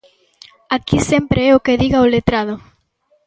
Aquí sempre é o que diga o letrado.